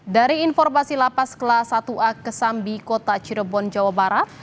dari informasi lapas kelas satu a kesambi kota cirebon jawa barat